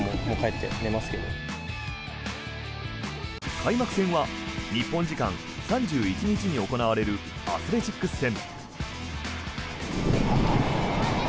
開幕戦は日本時間３１日に行われるアスレチックス戦。